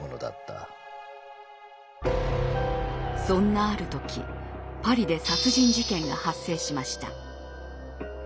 そんなある時パリで殺人事件が発生しました。